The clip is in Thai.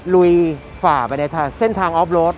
ลุยฝ่าไปในทางเส้นทางออฟโรด